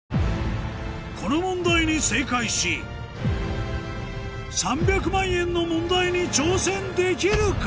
この問題に正解し３００万円の問題に挑戦できるか？